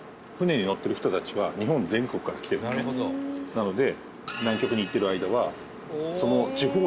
なので。